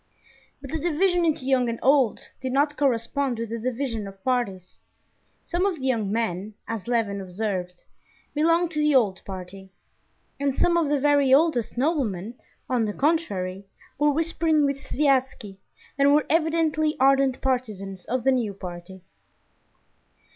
But the division into young and old did not correspond with the division of parties. Some of the young men, as Levin observed, belonged to the old party; and some of the very oldest noblemen, on the contrary, were whispering with Sviazhsky, and were evidently ardent partisans of the new party.